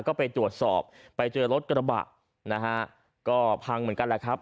ก็ไปตรวจสอบไปเจอรถกระบะนะฮะก็พังเหมือนกันแหละครับ